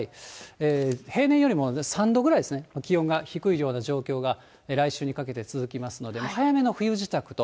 平年よりも３度ぐらいですね、気温が低いような状況が、来週にかけて続きますのでね、早めの冬支度と。